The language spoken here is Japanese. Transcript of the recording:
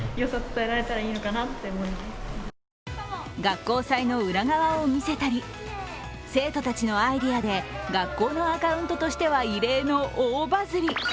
学校祭の裏側を見せたり生徒たちのアイデアで学校のアカウントとしては異例の大バズり。